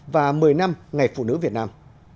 và một mươi năm ngày phụ nữ việt nam